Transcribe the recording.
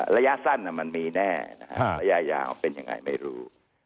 ระยะสั้นมันมีแน่ระยะยาวเป็นยังไงไม่รู้